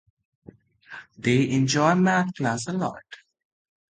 They enjoy math class a lot.